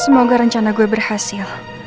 semoga rencana gue berhasil